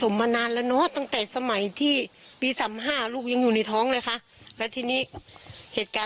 มันก็มีรอยตีนของไก่เนอะ